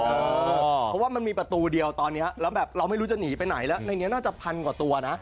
เพราะว่ามันมีประตูเดียวตอนนี้แล้วแบบเราไม่รู้จะหนีไปไหนแล้วในนี้น่าจะพันกว่าตัวนะ